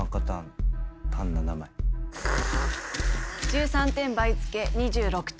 １３点倍付け２６点。